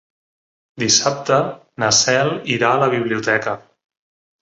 Dissabte na Cel irà a la biblioteca.